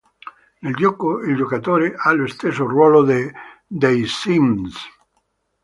Nel gioco, il giocatore ha lo stesso ruolo dei The Sims.